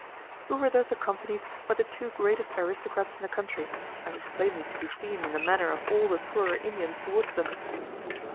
We were thus accompanied by the two greatest aristocrats in the country, as was plainly to be seen in the manner of all the poorer Indians towards them.